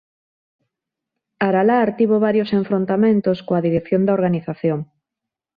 Aralar tivo varios enfrontamentos coa dirección da organización.